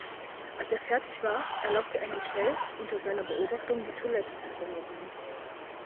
Als er fertig war, erlaubte er Michelle, unter seiner Beobachtung die Toilette zu benutzen.